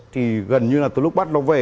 thì gần như là từ lúc bắt nó về